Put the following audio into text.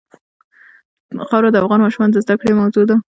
خاوره د افغان ماشومانو د زده کړې موضوع ده.